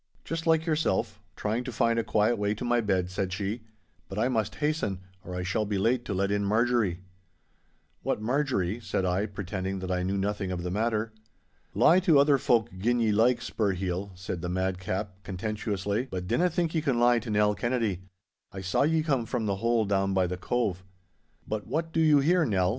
'Just like yourself—trying to find a quiet way to my bed,' said she; 'but I must hasten, or I shall be late to let in Marjorie.' 'What Marjorie,' said I, pretending that I knew nothing of the matter. 'Lie to other folk gin ye like, Spurheel,' said the madcap, contemptuously, 'but dinna think ye can lie to Nell Kennedy. I saw ye come from the hole down by the Cove.' 'But what do you here, Nell?